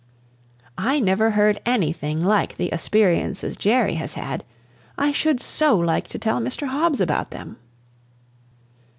I never heard anything like the asperiences Jerry has had! I should so like to tell Mr. Hobbs about them!"